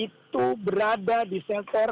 itu berada di shelter